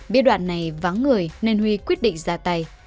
biết đoạn này vắng người nên huy quyết định ra tay